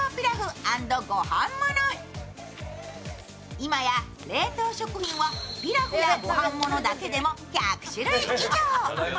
今や冷凍食品はピラフや御飯ものだけでも１００種類以上。